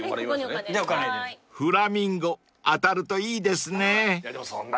［フラミンゴ当たるといいですね］